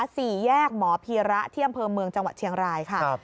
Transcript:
สี่แยกหมอพีระที่อำเภอเมืองจังหวัดเชียงรายค่ะ